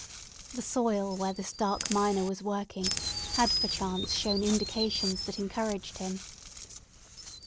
The soil where this dark miner was working had perchance shown indications that encouraged him.